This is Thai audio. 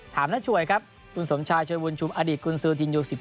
ถามน่าช่วยครับคุณสวมชายชวนบุญชุมอดิตคุณซื้อ๑๙